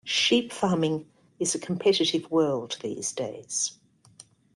Sheep farming is a competitive world these days.